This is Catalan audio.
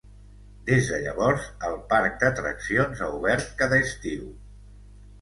Des de llavors, el parc d'atraccions ha obert cada estiu.